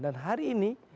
dan hari ini